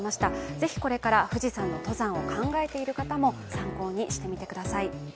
ぜひこれから富士山の登山を考えている方も参考にしてみてください。